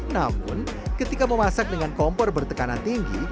namun ketika memasak dengan kompor bertekanan tinggi